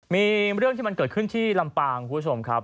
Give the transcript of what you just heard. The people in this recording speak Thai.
มีเรื่องที่มันเกิดขึ้นที่ลำปางคุณผู้ชมครับ